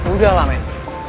udah lah men